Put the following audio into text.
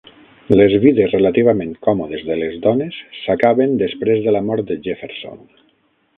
Les vides relativament còmodes de les dones s'acaben després de la mort de Jefferson.